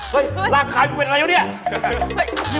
เฮ้ยราบขายมันเป็นอะไรแล้วนี่